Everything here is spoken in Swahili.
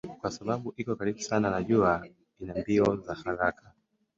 Kwa sababu iko karibu sana na jua ina mbio za haraka.